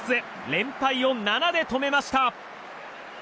連敗を７で止めました。